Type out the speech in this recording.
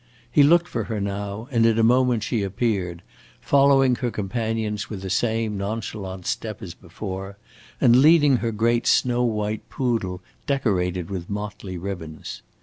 He looked for her now, and in a moment she appeared, following her companions with the same nonchalant step as before, and leading her great snow white poodle, decorated with motley ribbons.